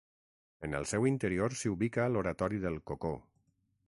En el seu interior s'hi ubica l'oratori del Cocó.